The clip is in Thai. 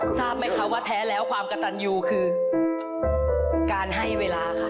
ทราบไหมคะว่าแท้แล้วความกระตันยูคือการให้เวลาค่ะ